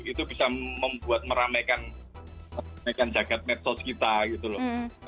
itu bisa membuat meramaikan jagad medsos kita gitu loh